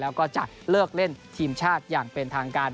แล้วก็จะเลิกเล่นทีมชาติอย่างเป็นทางการ